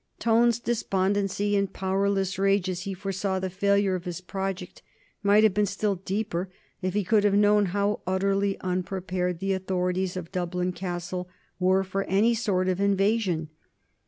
Tone's despondency and powerless rage as he foresaw the failure of his project might have been still deeper if he could have known how utterly unprepared the authorities of Dublin Castle were for any sort of invasion.